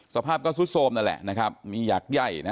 สภาพก็สุดโทรมนั่นแหละนะครับมีหยักใหญ่นะ